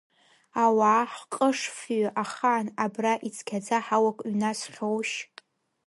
Ауаа ҳҟышфҩы, ахаан абра ицқьаӡа ҳауак ҩнасхьоушь?